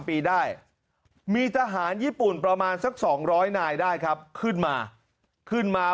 ปีได้มีทหารญี่ปุ่นประมาณสัก๒๐๐นายได้ครับขึ้นมาขึ้นมา